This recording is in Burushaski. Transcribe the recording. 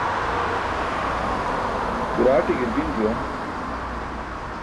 Kuraaṭi gi̇rgin juwan.